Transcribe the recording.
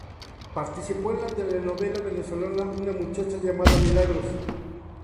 Participó en la telenovela venezolana "Una muchacha llamada Milagros".